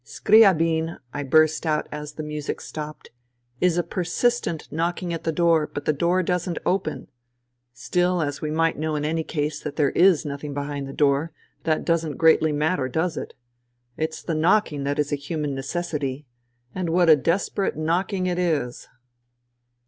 " Scriabin,'* I burst out as the music stopped, "is a persistent knocking at the door — but the door doesn't open. Still, as we might know in any case that there is nothing behind the door, that doesn't greatly matter, does it ? It's the knocking that is a human necessity. And what a desperate knocking it is